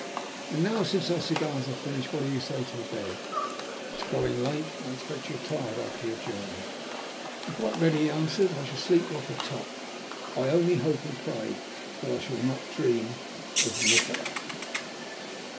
And now, since our cigars are finished, what do you say to bed? It is growing late, and I expect you are tired after your journey." "I am quite ready," he answered. "I shall sleep like a top. I only hope and pray that I shall not dream of Nikola."